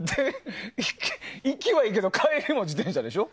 行きはいいけど帰りも自転車でしょ？